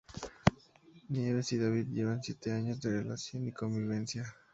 Nieves y David llevan siete años de relación y convivencia.